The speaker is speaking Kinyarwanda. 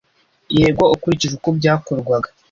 yego ukurikije uko byakorwaga